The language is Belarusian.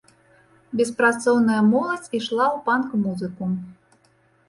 Беспрацоўная моладзь ішла ў панк-музыку.